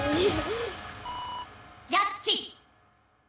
ジャッジ！